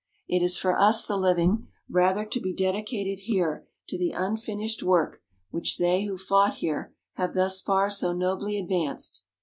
It is for us, the living, rather, to be dedicated here to the unfinished work which they who fought here have thus far so nobly advanced.